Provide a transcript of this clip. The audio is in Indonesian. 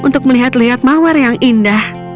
untuk melihat lihat mawar yang indah